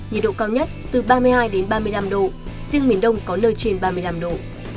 nhiệt độ cao nhất từ ba mươi hai ba mươi năm độ riêng miền đông có nơi trên ba mươi năm độ